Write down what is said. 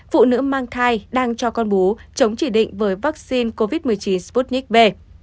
phụ nữ mang thai đang cho con bú chống chỉ định với vaccine covid một mươi chín sputnik v